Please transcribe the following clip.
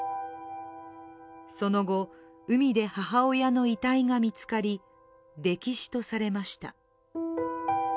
その後、海で母親の遺体が見つかり、溺死とされました。